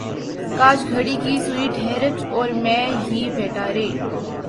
کاش گھڑی کی سوئ ٹھہر ج اور میں ی بیٹھا ر